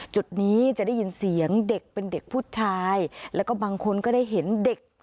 จุดนี้จะได้ยินเสียงเด็กเป็นเด็กผู้ชายแล้วก็บางคนก็ได้เห็นเด็ก